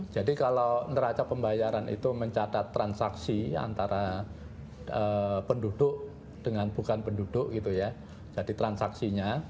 jadi kalau neraca pembayaran itu mencatat transaksi antara penduduk dengan bukan penduduk gitu ya jadi transaksinya